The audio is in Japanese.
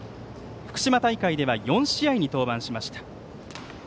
福島大会では４試合に登板しました。